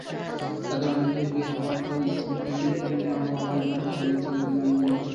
তাঁদের অনেকেই বিয়ের পরপরই স্ত্রীকে মা–বাবা, ভাইবোনের কাছে রেখে চলে যান ভিনদেশে।